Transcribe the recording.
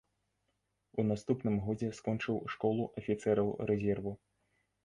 У наступным годзе скончыў школу афіцэраў рэзерву.